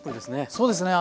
そうですね。